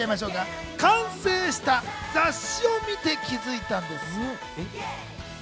完成した雑誌を見て気づいたんです。